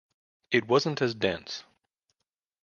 It wasn't as dense.